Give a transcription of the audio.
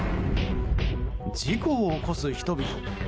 事故を起こす人々。